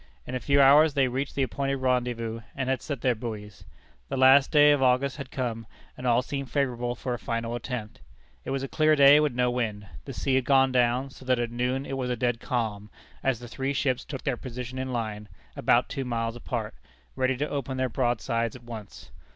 In a few hours they reached the appointed rendezvous, and had set their buoys. The last day of August had come, and all seemed favorable for a final attempt. It was a clear day, with no wind. The sea had gone down, so that at noon it was a dead calm, as the three ships took their position in line, about two miles apart, ready to open their broadsides at once.